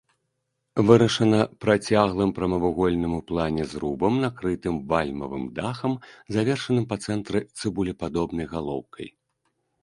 Вырашана працяглым прамавугольным у плане зрубам, накрытым вальмавым дахам, завершаным па цэнтры цыбулепадобнай галоўкай.